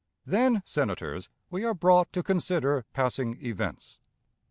Then, Senators, we are brought to consider passing events.